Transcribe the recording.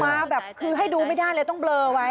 มาแบบคือให้ดูไม่ได้เลยต้องเบลอไว้